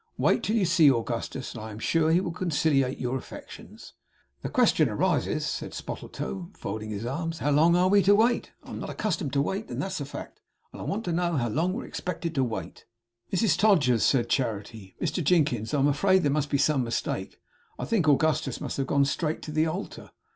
Wait till you see Augustus, and I am sure he will conciliate your affections.' 'The question arises,' said Spottletoe, folding his arms: 'How long we are to wait. I am not accustomed to wait; that's the fact. And I want to know how long we are expected to wait.' 'Mrs Todgers!' said Charity, 'Mr Jinkins! I am afraid there must be some mistake. I think Augustus must have gone straight to the Altar!